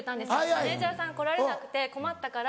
マネジャーさん来られなくて困ったから。